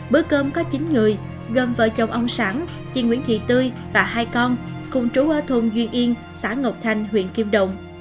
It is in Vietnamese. bữa cơm có chín người gồm vợ chồng ông sản chị nguyễn thị tươi và hai con cùng trú ở thôn duy yên xã ngọc thanh huyện kim đồng